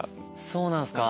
そうなんすか？